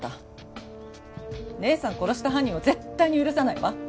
姉さんを殺した犯人を絶対に許さないわ！